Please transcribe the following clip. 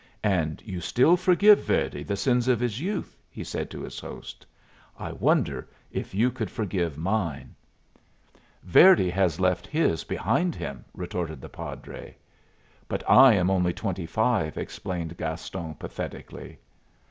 "And you still forgive Verdi the sins of his youth?" he said to his host. "I wonder if you could forgive mine?" "Verdi has left his behind him," retorted the padre. "But I am only twenty five," explained Gaston, pathetically.